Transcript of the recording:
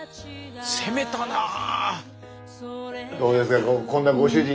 攻めたなあ！